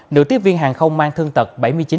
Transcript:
nữ tiếp viên hàng không mang thương tật bảy mươi chín